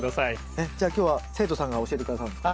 えっじゃあ今日は生徒さんが教えて下さるんですか？